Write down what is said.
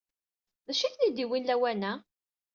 D acu ay ten-id-yewwin lawan-a?